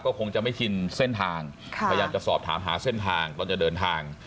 ก็คงจะไม่ชินเส้นทางพยายามจะสอบถามหาเส้นทางตอนจะเดินทาง